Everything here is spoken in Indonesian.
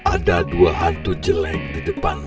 ada dua hantu jelek di depan